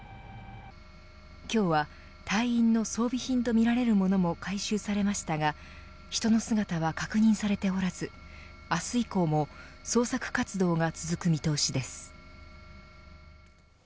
今日は隊員の装備品とみられるものも回収されましたが人の姿は確認されておらず明日以降も捜索活動が続く見通しです。